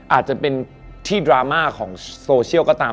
อาจจะเป็นที่ดราม่าของโซเชียลก็ตาม